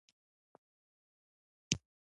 خو د منصوري فارسي ترجمه څلور سوه دوه دېرش مخه ده.